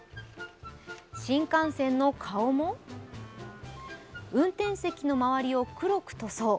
新幹線の顔も運転席の周りを黒く塗装。